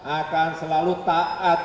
akan selalu taat